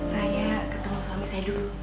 saya ketemu suami saya dulu